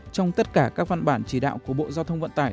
trong tất cả các văn bản chỉ đạo của bộ giao thông vận tải